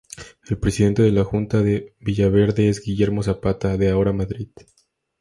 El presidente de la Junta de Villaverde es Guillermo Zapata, de Ahora Madrid.